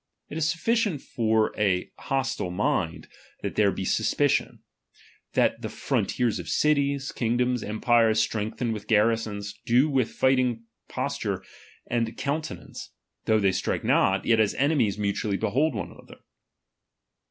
It is sufficient for an hos tile mind, that there is suspicion ; that the frontiers of cities, kingdoms, empires, strengthened with garrisons, do with a fighting posture and counte nance, though they strike not, yet as enemies mu RELIGION. 29a ^'^taally behold each other.